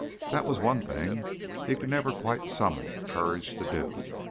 That was the one thing he could never quite summon courage to do.